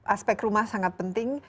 aspek rumah sangat penting